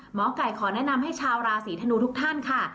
หมอไก่ขอแนะนำให้ชาวราศีธนูทุกท่านค่ะ